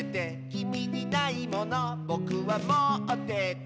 「きみにないものぼくはもってて」